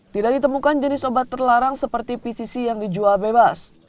tidak ditemukan jenis obat terlarang seperti pcc yang dijual bebas